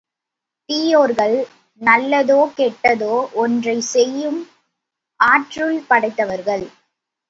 தீயோர்கள், நல்லதோ கெட்டதோ ஒன்றைச் செய்யும் ஆற்றுல் படைத்தவர்.